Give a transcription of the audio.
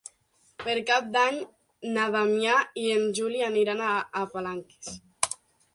Per Cap d'Any na Damià i en Juli aniran a Palanques.